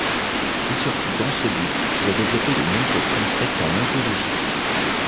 C'est surtout dans ce but qu'il a développé de nombreux concepts en ontologie.